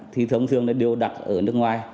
thì thường thường đều đặt ở nước ngoài